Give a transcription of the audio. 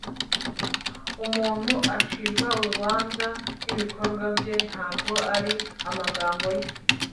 umuntu acirwa urubanza n'ibikorwa bye, ntabwo ari amagambo ye